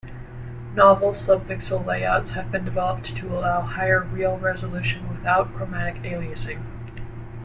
Novel subpixel layouts have been developed to allow higher real resolution without chromatic aliasing.